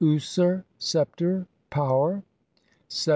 | user Sceptre. Power. 1 7.